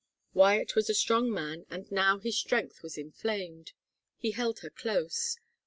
Wyatt was a strong man and now his strength was inflamed. He held her close.